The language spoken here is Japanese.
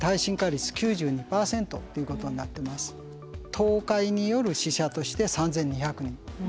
倒壊による死者として３，２００人。